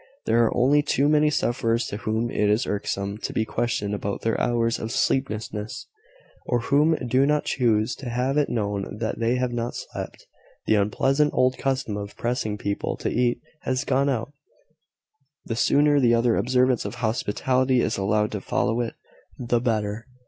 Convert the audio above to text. There are only too many sufferers to whom it is irksome to be questioned about their hours of sleeplessness, or who do not choose to have it known that they have not slept. The unpleasant old custom of pressing people to eat has gone out: the sooner the other observance of hospitality is allowed to follow it, the better.